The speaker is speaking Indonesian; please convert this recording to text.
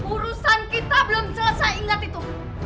urusan kita belum selesai ingat itu